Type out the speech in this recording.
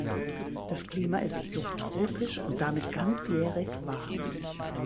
Das Klima ist subtropisch und damit ganzjährig warm.